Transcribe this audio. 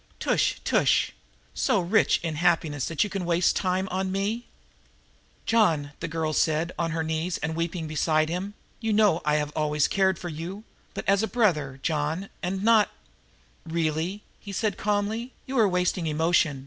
Tush, tush! So rich in happiness that you can waste time on me?" "John," said the girl on her knees and weeping beside him, "you know that I have always cared for you, but as a brother, John, and not " "Really," he said calmly, "you are wasting emotion.